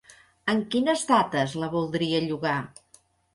En quines dates la voldria llogar?